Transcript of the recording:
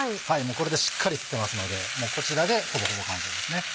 これでしっかり吸ってますのでこちらでほぼほぼ完成ですね。